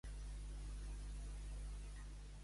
Qui són els Ulaid?